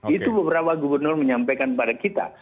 itu beberapa gubernur menyampaikan kepada kita